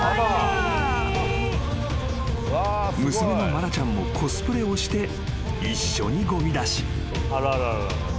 ［娘のマラちゃんもコスプレをして一緒にごみ出し］